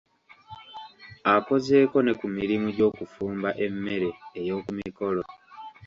Akozeeko ne ku mirimu gy'okufumba emmere ey'oku mikolo